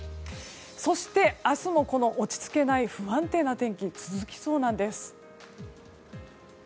そして、明日もこの落ち着けない不安定な天気が続きそうなんです。